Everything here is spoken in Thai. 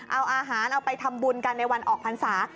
เอาอาหารเอาไปทำบุญกันในวันออกพรรษา